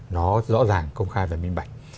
nó rõ ràng công khai và minh bạch